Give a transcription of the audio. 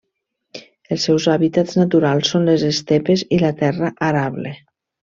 Els seus hàbitats naturals són les estepes i la terra arable.